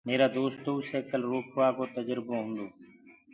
ميرآ دوستو ڪوُ سيڪل روڪوآ ڪو تجربو هوُندو تو۔